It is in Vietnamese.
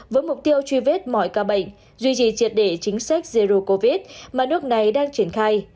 với mục tiêu truy vết mọi ca bệnh duy trì triệt để chính sách zero covid mà nước này đang triển khai